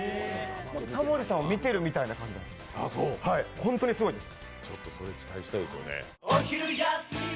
タモリさんを見てるみたいな感じです、ホントにすごいです。